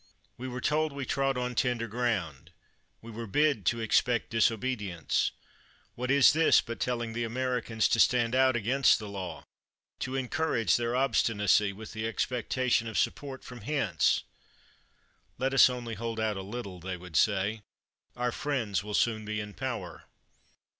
We were told we trod on tender ground. We were bid to expect disobedience. What is this but telling the Americans to stand out against the law, to encourage their obstinacy with the expectation of support from hence? 'Let us only hold out a little,' they would say, 'our friends will soon be in power.'